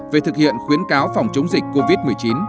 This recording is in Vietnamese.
về thực hiện khuyến cáo phòng chống dịch covid một mươi chín